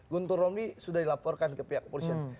guntur romli sudah dilaporkan ke pihak kepolisian